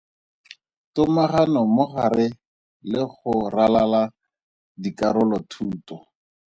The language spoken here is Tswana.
Tomagano mo gare le go ralala dikarolothuto.